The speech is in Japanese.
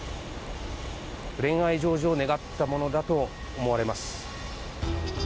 恋愛成就を願ったものだと思われます。